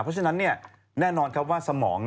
เพราะฉะนั้นแน่นอนครับว่าสมอง